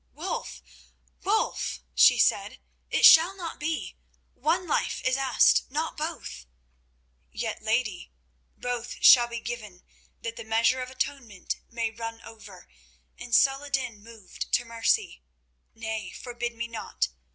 "Wulf, Wulf," she said, "it shall not be. One life is asked—not both." "Yet, lady, both shall be given that the measure of atonement may run over, and Saladin moved to mercy. Nay, forbid me not.